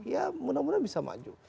ya mudah mudahan bisa maju